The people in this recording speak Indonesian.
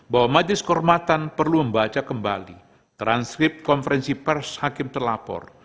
bahwa majelis kehormatan perlu membaca kembali transkrip konferensi pers hakim terlapor